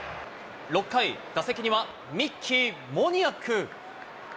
６回、打席にはミッキー・モニアック。